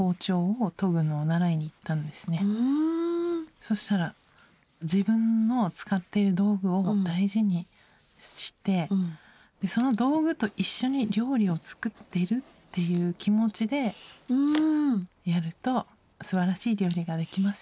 そしたら自分の使っている道具を大事にしてその道具と一緒に料理を作っているっていう気持ちでやるとすばらしい料理ができます